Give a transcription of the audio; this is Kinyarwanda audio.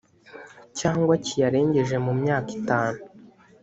cyangwa kiyarengeje mu myaka itanu